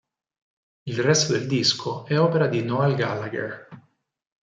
Il resto del disco è opera di Noel Gallagher.